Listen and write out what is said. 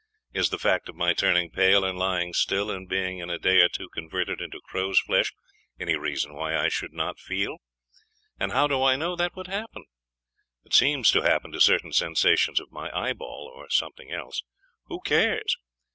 Is the fact of my turning pale, and lying still, and being in a day or two converted into crows' flesh, any reason why I should not feel? And how do I know that would happen? It seems to happen to certain sensations of my eyeball or something else who cares?